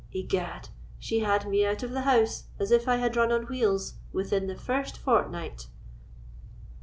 Egad, she had me out of the house, as if I had run on wheels, within the first fortnight!"